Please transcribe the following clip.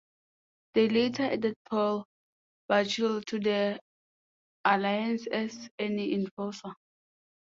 They later added Paul Burchill to the alliance as an enforcer.